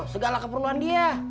segala keperluan dia